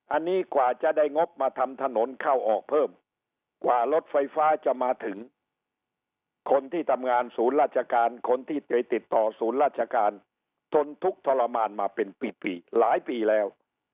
อันนี้กว่าจะได้งบมาทำถนนเข้าออกเพิ่มกว่ารถไฟฟ้าจะมาถึงคนที่ทำงานศูนย์ราชการคนที่ไปติดต่อศูนย์ราชการทนทุกข์ทรมานมาเป็นปีหลายปีแล้ว